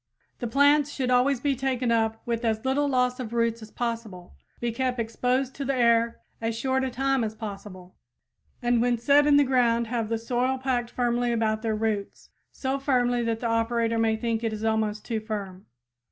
The plants should always be taken up with as little loss of roots as possible, be kept exposed to the air as short a time as possible, and when set in the ground have the soil packed firmly about their roots, so firmly that the operator may think it is almost too firm.